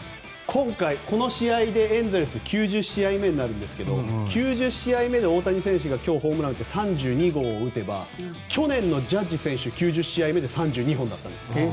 今回、この試合でエンゼルスは９０試合目になりますが９０試合目で大谷選手が今日、ホームランを打って３２号を打てば去年のジャッジ選手は９０試合目で３２本だったんです。